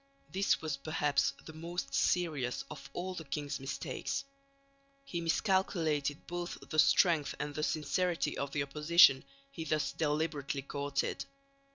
This was perhaps the most serious of all the king's mistakes. He miscalculated both the strength and the sincerity of the opposition he thus deliberately courted.